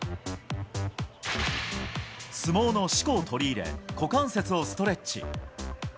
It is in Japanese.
相撲のしこを取り入れ、股関節をストレッチ。